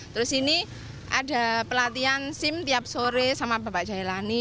terus ini ada pelatihan sim tiap sore sama bapak jailani